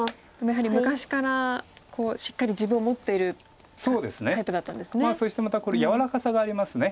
やはり昔からしっかり自分を持っているタイプだったんですね。